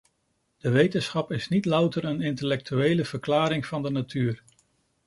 De wetenschap is niet louter een intellectuele verklaring van de natuur.